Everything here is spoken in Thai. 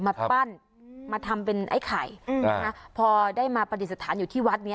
มาปั้นมาทำเป็นไอ้ไข่อืมนะฮะพอได้มาปฏิสถานอยู่ที่วัดเนี้ย